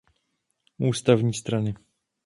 Ústavní strany.